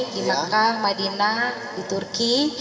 di mekah madinah di turki